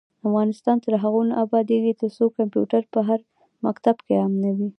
افغانستان تر هغو نه ابادیږي، ترڅو کمپیوټر په هر مکتب کې نه وي.